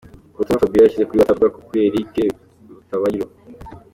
Ubutumwa Fabiola yashyize kuri Whatsapp avuga kuri Eric Rutabayiro.